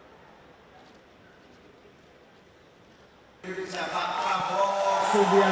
yang kita bolehkan kita bandarkan